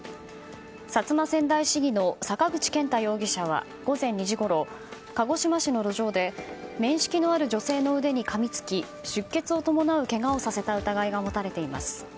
薩摩川内市議の坂口健太容疑者は午前２時ごろ鹿児島市の路上で面識のある女性の腕にかみつき出血を伴うけがをさせた疑いが持たれています。